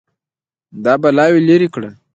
دا بلاوې لرې کړه